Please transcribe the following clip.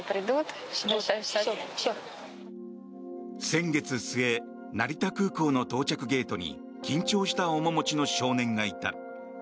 先月末成田空港の到着ゲートに緊張した面持ちの少年がいた。